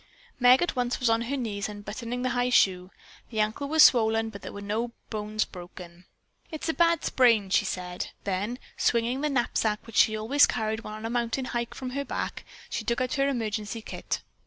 Meg at once was on her knees unbuttoning the high shoe. The ankle was swollen, but there were no bones broken. "It is a bad sprain," she said. Then, swinging the knapsack which she always carried when on a mountain hike from her back, she took out her emergency kit.